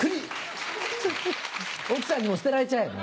奥さんにも捨てられちゃえもう。